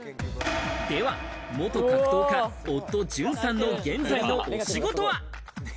では元格闘家、夫・淳さんの現在のお仕事は？